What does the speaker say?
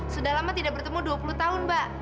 sudah lama tidak bertemu dua puluh tahun mbak